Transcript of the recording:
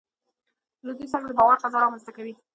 له دوی سره د باور فضا رامنځته کوي.